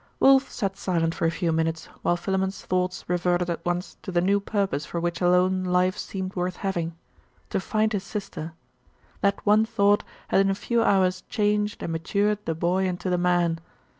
Wulf sat silent for a few minutes, while Philammon's thoughts reverted at once to the new purpose for which alone life seemed worth having.... To find his sister! That one thought had in a few hours changed and matured the boy into the man.